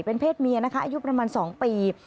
เป็นเพศเมียนะคะอายุประมาณ๒ปี